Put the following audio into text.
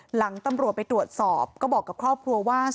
หลังตำรวจไปตรวจสอบก็บอกกับครอบครัวว่า